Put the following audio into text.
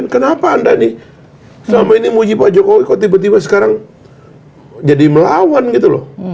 kenapa anda nih selama ini muji pak jokowi kok tiba tiba sekarang jadi melawan gitu loh